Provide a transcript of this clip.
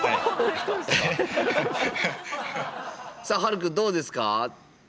さあはるくんどうですか？